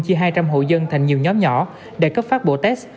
chia hai trăm linh hộ dân thành nhiều nhóm nhỏ để cấp phát bộ test